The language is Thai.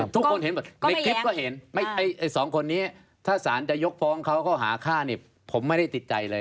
ทุกคนเห็นหมดในคลิปก็เห็นไอ้สองคนนี้ถ้าสารจะยกฟ้องเขาก็หาฆ่าเนี่ยผมไม่ได้ติดใจเลย